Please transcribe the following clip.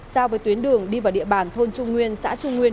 giao với tuyến đường đi vào địa bàn thôn trung nguyên xã trung nguyên